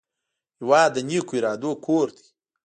هېواد د نیکو ارادو کور دی.